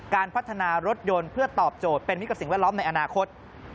การพัฒนารถยนต์เพื่อตอบโจทย์เป็นมิตรกับสิ่งแวดล้อมในอนาคต